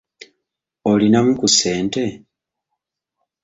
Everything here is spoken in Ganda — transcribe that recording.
Olinamu ku ssente?